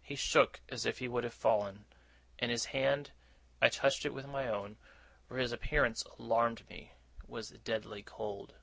He shook as if he would have fallen; and his hand I touched it with my own, for his appearance alarmed me was deadly cold.